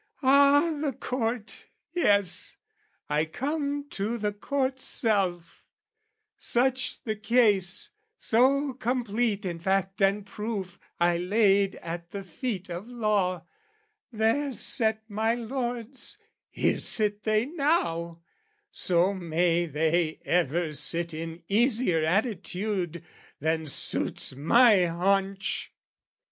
Ah, the Court! yes, I come to the Court's self; Such the case, so complete in fact and proof I laid at the feet of law, there sat my lords, Here sit they now, so may they ever sit In easier attitude than suits my haunch!